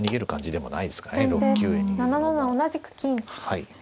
はい。